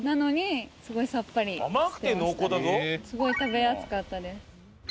すごい食べやすかったです。